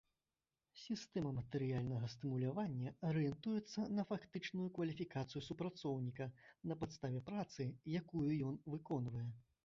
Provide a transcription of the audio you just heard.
Сістэма матэрыяльнага стымулявання арыентуецца на фактычную кваліфікацыю супрацоўніка на падставе працы, якую ён выконвае.